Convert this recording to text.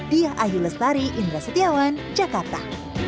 diah ahil lestari indra setiawan jakarta